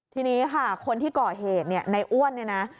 ทีนี้ค่ะคนที่ก่อเหตุเนี่ยในอ้วนเนี่ยนะ